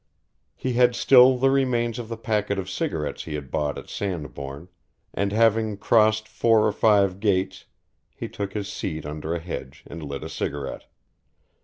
He had still the remains of the packet of cigarettes he had bought at Sandbourne, and, having crossed four or five gates, he took his seat under a hedge and lit a cigarette.